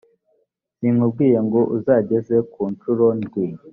sinkubwiye ngo uzageze ku ncuro ndwi.